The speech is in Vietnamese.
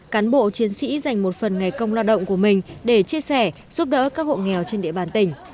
cán bộ chiến sĩ dành một phần ngày công lao động của mình để chia sẻ giúp đỡ các hộ nghèo trên địa bàn tỉnh